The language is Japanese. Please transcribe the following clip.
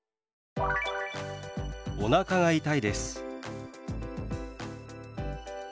「おなかが痛いです」。